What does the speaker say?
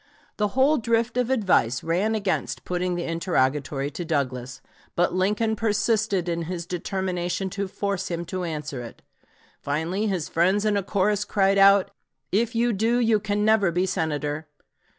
The whole drift of advice ran against putting the interrogatory to Douglas; but Lincoln persisted in his determination to force him to answer it. Finally his friends in a chorus cried out, "If you do, you can never be Senator."